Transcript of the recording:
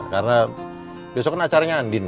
karena besok kan acaranya andin